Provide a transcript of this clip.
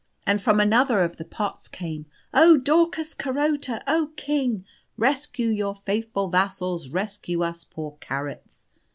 And from another of the pots came: "Oh Daucus Carota! Oh King! Rescue your faithful vassals rescue us poor carrots.